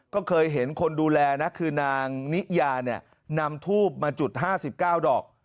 ก็เคยเห็นคนดูแลนะคือนางนิยาเนี่ยนำทูบมาจุด๕๙ดอก